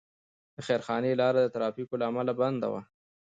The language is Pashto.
د خیرخانې لاره د ترافیکو له امله بنده وه.